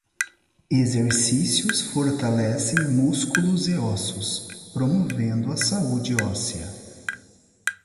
Exercícios fortalecem músculos e ossos, promovendo a saúde óssea.